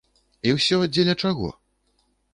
І ўсё дзеля чаго?